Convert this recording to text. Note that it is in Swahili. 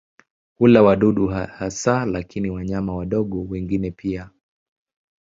Hula wadudu hasa lakini wanyama wadogo wengine pia.